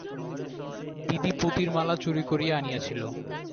দিদি পুতির মালা চুরি করিয়া আনিয়াছিল।